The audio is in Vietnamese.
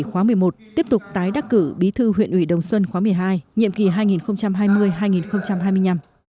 khóa một mươi một tiếp tục tái đắc cử bí thư huyện ủy đồng xuân khóa một mươi hai nhiệm kỳ hai nghìn hai mươi hai nghìn hai mươi năm